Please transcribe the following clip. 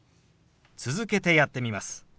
続けてやってみます。